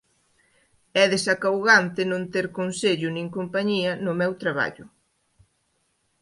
É desacougante non ter consello nin compañía no meu traballo.